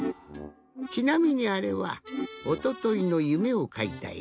ちなみにあれはおとといのゆめをかいたえじゃ。